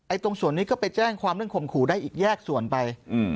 ตรงส่วนนี้ก็ไปแจ้งความเรื่องข่มขู่ได้อีกแยกส่วนไป